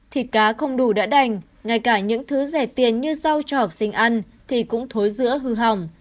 thịt cá không đủ đã đành ngay cả những thứ rẻ tiền như rau cho học sinh ăn thì cũng thối giữa hư hỏng